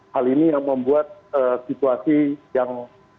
hal ini yang membuat situasi yang